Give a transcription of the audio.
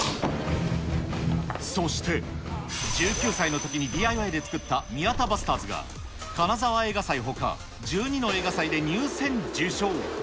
そして１９歳のときにＤＩＹで作った宮田バスターズが、カナザワ映画祭ほか、１２の映画祭で入選、受賞。